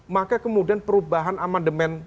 maka kemudian perubahan amandemen